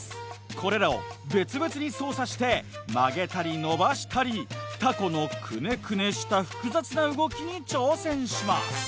これらを別々に操作して曲げたり伸ばしたりタコのクネクネした複雑な動きに挑戦します。